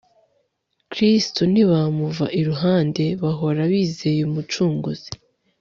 kristu, ntibamuva iruhande, bahora bizeye umucunguzi